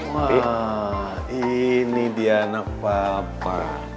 wah ini dia anak papa